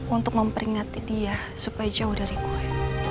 untuk memperingati dia supaya jauh dari gue